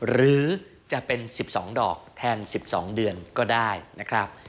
หรือจะเป็น๑๒ดอกแทน๑๒เดือนก็ได้นะครับ